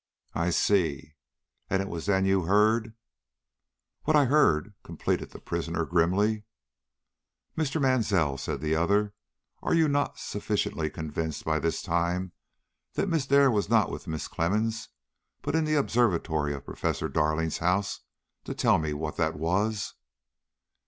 "I see. And it was then you heard " "What I heard," completed the prisoner, grimly. "Mr. Mansell," said the other, "are you not sufficiently convinced by this time that Miss Dare was not with Mrs. Clemmens, but in the observatory of Professor Darling's house, to tell me what that was?"